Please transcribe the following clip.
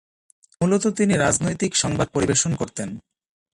মূলত তিনি রাজনৈতিক সংবাদ পরিবেশন করতেন।